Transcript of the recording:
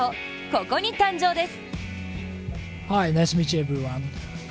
ここに誕生です。